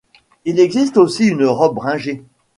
Il existe aussi une robe bringée.